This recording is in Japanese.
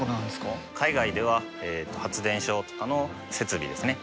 海外では発電所とかの設備ですね。